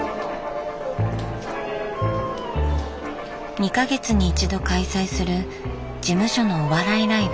２か月に一度開催する事務所のお笑いライブ。